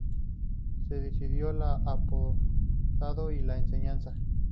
Se dedicó al apostolado y a la enseñanza.